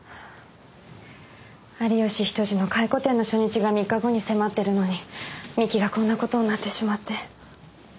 有吉比登治の回顧展の初日が３日後に迫ってるのに三木がこんなことになってしまって。